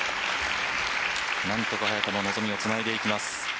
何とか早田も望みをつないでいきます。